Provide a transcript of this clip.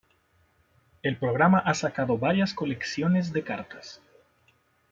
El programa ha sacado varias colecciones de cartas.